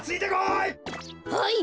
はい。